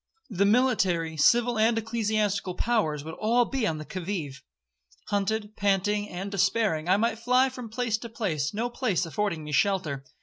The military, civil, and ecclesiastical powers, would all be on the 'qui vive.' Hunted, panting, and despairing, I might fly from place to place—no place affording me shelter.